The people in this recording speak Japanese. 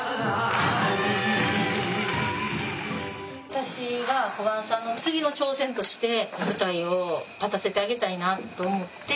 私が小雁さんの次の挑戦として舞台を立たせてあげたいなと思って。